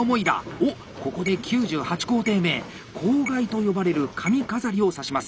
おっここで９８工程目笄と呼ばれる髪飾りを挿します。